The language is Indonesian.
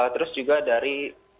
terus juga dari